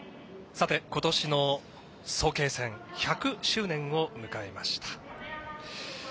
さて、今年の早慶戦１００周年を迎えました。